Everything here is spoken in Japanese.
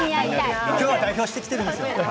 今日は代表して来ているんですよ。